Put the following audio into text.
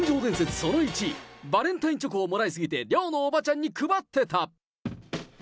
その１、バレンタインチョコをもらい過ぎて、寮のおばちゃんに配ってた。